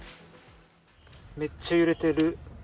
めっちゃ揺れてる。